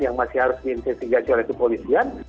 yang masih harus diinsentikan oleh polisian